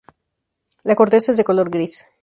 La corteza es de color gris.